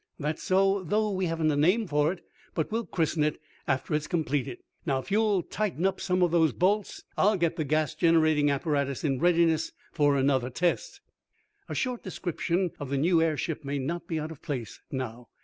That's so, though, we haven't a name for it. But we'll christen it after it's completed. Now if you'll tighten up some of those bolts I'll get the gas generating apparatus in readiness for another test." A short description of the new airship may not be out of place now.